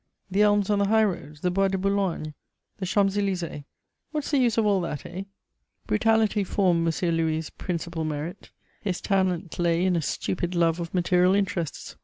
The elms on the highroads, the Bois de Boulogne, the Champs Élysées: what's the use of all that, eh?" Brutality formed M. Louis' principal merit; his talent lay in a stupid love of material interests.